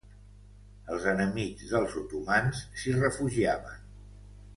Els enemics dels otomans s'hi refugiaven.